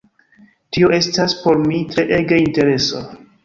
Tio estas por mi treege interesa.